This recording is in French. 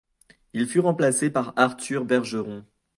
Il fut remplacé par Arthur Bergeron.